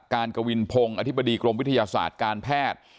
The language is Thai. กวินพงศ์อธิบดีกรมวิทยาศาสตร์การแพทย์